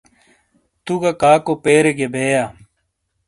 تو گہ کاکو پیرے گے بےیا۔